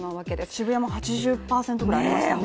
渋谷も８０％ぐらいありましたよね